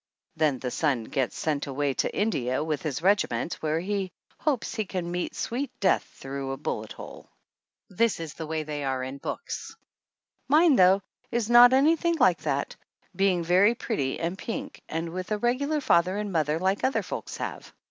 Then the son gets sent away to India with his regiment, where he hopes he can meet sweet death through a bullet hole. This is the way they are in books. 144 THE ANNALS OF ANN Mine, though, is not anything like that, be ing very pretty and pink, and with a regular father and mother like other folks have.